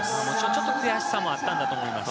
ちょっと悔しさもあったんだと思います。